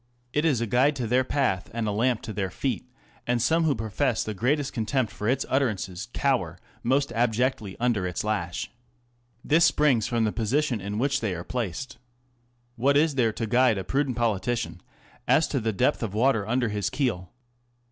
It is a guide to their path and a lamp to their feet, and some who profess the greatest contempt for its utterances cower most abjectly under its lash. This C springs from the position in which thej are placed. What is there to guide a prudent politician as to the depth of water under his keel